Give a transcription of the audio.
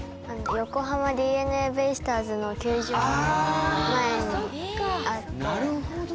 横浜ＤｅＮＡベイスターズの球場の前にあって。